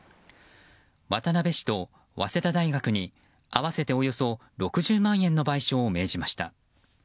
渡部氏と早稲田大学に合わせておよそ６０万円の賠償を命じました。